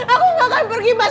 aku gak akan pergi mas